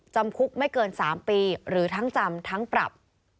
จำคุกไม่เกิน๓ปีหรือทั้งจำทั้งปรับ